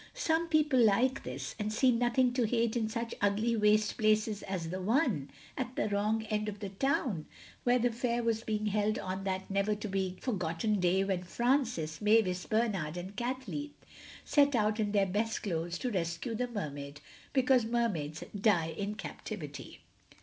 Some people like this, and see nothing to hate in such ugly waste places as the one, at the wrong end of the town, where the fair was being held on that never to be forgotten day when Francis, Mavis, Bernard and Kathleen set out in their best clothes to rescue the Mermaid because Mermaids "die in captivity."